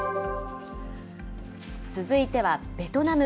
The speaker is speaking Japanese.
続いてはベトナム。